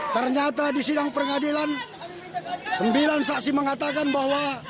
ternyata di sidang pengadilan sembilan saksi mengatakan bahwa